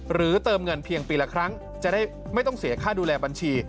เติมเงินเพียงปีละครั้งจะได้ไม่ต้องเสียค่าดูแลบัญชี